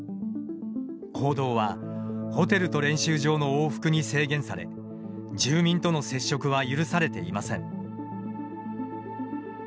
行動は、ホテルと練習場の往復に制限され住民との接触は許されていません。